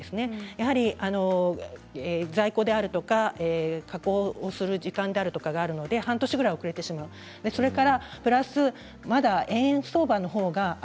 やはり在庫であるとか加工する時間であるとかがあるので半年ぐらい遅れてしまうそれからプラスまだ円安相場の方が。